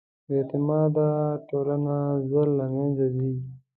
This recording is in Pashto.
بېاعتماده ټولنه ژر له منځه ځي.